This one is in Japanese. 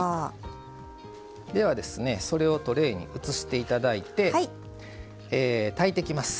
ではそれをトレーに移していただいて炊いていきます。